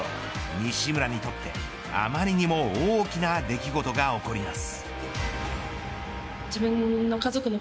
西村にとってあまりにも大きな出来事が起こります